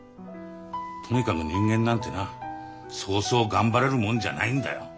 とにかく人間なんてなそうそう頑張れるもんじゃないんだよ。